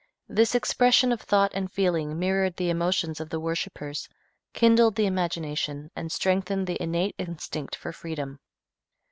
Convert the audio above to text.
This expression of thought and feeling mirrored the emotions of the worshipers, kindled the imagination, and strengthened the innate instinct for freedom.